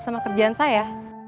sama kerjaan saya